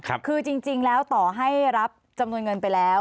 คือจริงจริงแล้วต่อให้รับจำนวนเงินไปแล้ว